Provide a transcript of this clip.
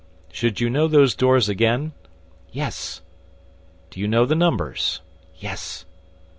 "Should you know those doors again?" "Yes." "Do you know the numbers?" "Yes."